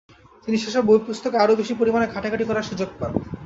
তিনি সেসব বইপুস্তক আরো বেশি পরিমাণে ঘাঁটাঘাঁটি করার সুযোগ পান।